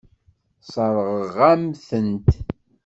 Sseṛɣeɣ-am-tent.